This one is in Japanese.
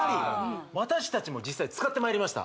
私達も実際使ってまいりました